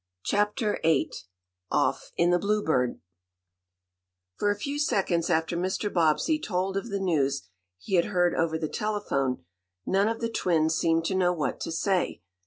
CHAPTER VIII OFF IN THE "BLUEBIRD" For a few seconds after Mr. Bobbsey told of the news he had heard over the telephone, none of the twins seemed to know what to say.